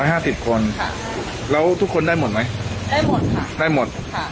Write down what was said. ห้าสิบคนค่ะแล้วทุกคนได้หมดไหมได้หมดค่ะได้หมดค่ะ